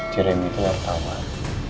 jeremy kelar kawan